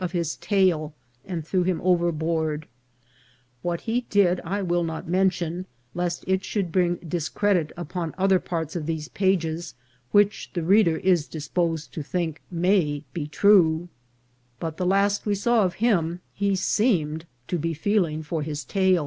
463 of his tail and threw him overboard ; what he did I will not mention, lest it should bring discredit upon other parts of these pages which the reader is disposed to think may be true ; but the last we saw of him he seemed to be feeling for his tail.